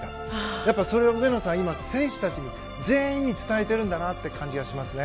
やっぱりそれを上野さん選手たち全員に伝えてるんだなという感じがしますね。